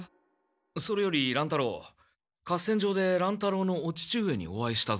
それより乱太郎合戦場で乱太郎のお父上にお会いしたぞ。